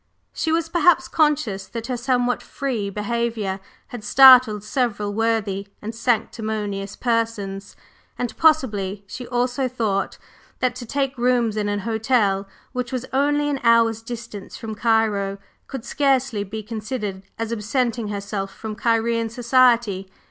She was perhaps conscious that her somewhat "free" behavior had startled several worthy and sanctimonious persons; and possibly she also thought that to take rooms in an hotel which was only an hour's distance from Cairo, could scarcely be considered as absenting herself from Cairene society.